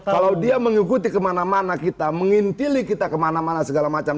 kalau dia mengikuti kemana mana kita mengintili kita kemana mana segala macam